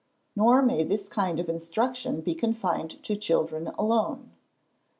Nor may this kind of instruction be confined to children alone.